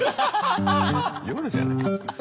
夜じゃない。